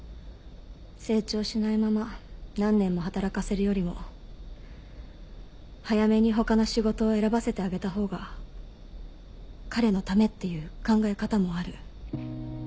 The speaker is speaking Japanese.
成長しないまま何年も働かせるよりも早めに他の仕事を選ばせてあげた方が彼のためっていう考え方もある。